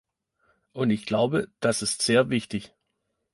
Und ich glaube, das ist sehr wichtig.